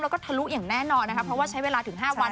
แล้วก็ทะลุอย่างแน่นอนนะคะเพราะว่าใช้เวลาถึง๕วัน